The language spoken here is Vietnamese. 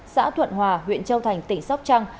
xã thuận hòa huyện châu thành tỉnh sóc trăng